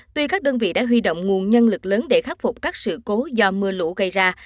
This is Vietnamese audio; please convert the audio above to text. tuy các đơn vị đã huy động nguồn nhân lực lớn để khắc phục các sự cố do mưa lũ gây ra